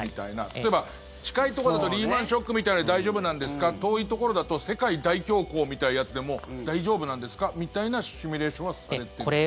例えば、近いところだとリーマン・ショックみたいなの大丈夫なんですか遠いところだと世界大恐慌みたいなやつでも大丈夫なんですかみたいなシミュレーションはされてるんですか？